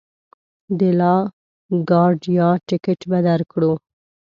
د لا ګارډیا ټکټ به درکړو.